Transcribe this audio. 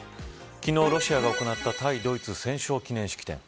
昨日、ロシアが行った対ドイツ戦勝式典。